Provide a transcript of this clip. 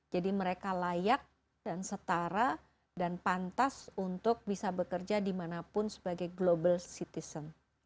jadi mereka layak dan setara dan pantas untuk bisa bekerja dimanapun sebagai global citizen